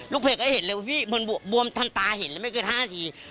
ลูกเพชรก็เห็นเลยพี่มันบวมทันตาเห็นไม่เกิด๕นาที